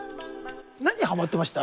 何はまってました？